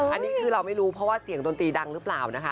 อันนี้คือเราไม่รู้เพราะว่าเสียงดนตรีดังหรือเปล่านะคะ